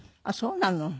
あっそうなの。